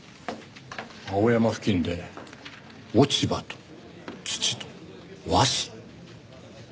青山付近で落ち葉と土と和紙？